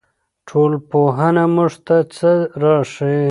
ټولنپوهنه موږ ته څه راښيي؟